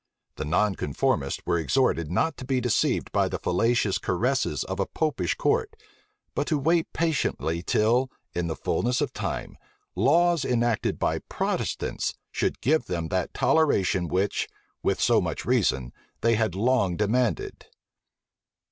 The nonconformists were exhorted not to be deceived by the fallacious caresses of a Popish court, but to wait patiently till, in the fulness of time, laws enacted by Protestants should give them that toleration which, with so much reason, they had long demanded.